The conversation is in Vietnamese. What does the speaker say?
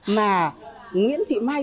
mà nguyễn thị mai